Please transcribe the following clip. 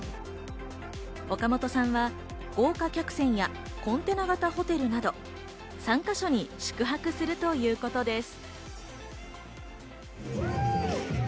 岡本さんは豪華客船やコンテナ型ホテルなど、３か所に宿泊するということです。